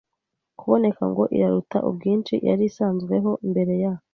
kuboneka ngo iraruta ubwinshi iyari isanzweho mbere ya